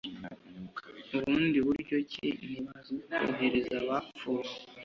Ubundi buryo ki Ntibazwi kohereza abapfuye